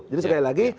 jadi sekali lagi